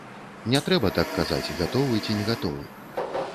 Не трэба так казаць, гатовы ці не гатовы.